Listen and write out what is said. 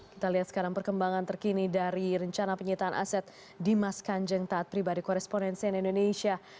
kita lihat sekarang perkembangan terkini dari rencana penyitaan aset dimas kanjeng taat pribadi korespondensian indonesia